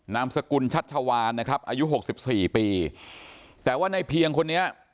นามสกุลชัชวานนะครับอายุหกสิบสี่ปีแต่ว่าในเพียงคนนี้